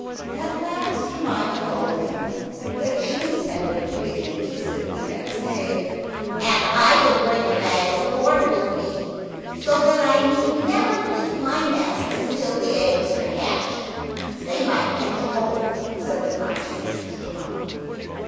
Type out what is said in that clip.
At last Jemima told him that she intended to begin to sit next day "and I will bring a bag of corn with me, so that I need never leave my nest until the eggs are hatched. They might catch cold," said the conscientious Jemima.